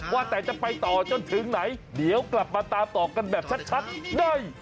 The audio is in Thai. ว่าแต่จะไปต่อจนถึงไหนเดี๋ยวกลับมาตามต่อกันแบบชัดได้